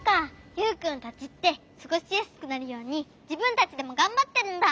ユウくんたちってすごしやすくなるようにじぶんたちでもがんばってるんだ。